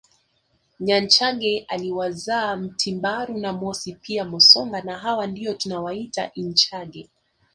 Nyanchage aliwazaa Mtimbaru na Mosi pia Mosonga na hawa ndio tunawaita inchage